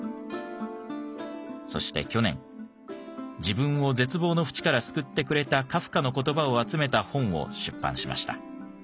そして去年自分を絶望の淵から救ってくれたカフカの言葉を集めた本を出版しました。